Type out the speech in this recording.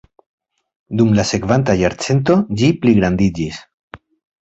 Dum la sekvanta jarcento ĝi pligrandiĝis.